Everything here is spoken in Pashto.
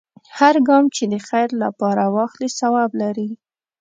هر ګام چې د خیر لپاره واخلې، ثواب لري.